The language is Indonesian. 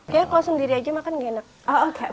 kayaknya kalau sendiri aja makan enak